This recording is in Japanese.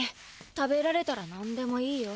食べられたら何でもいいよ。